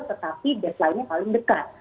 tetapi desline nya paling dekat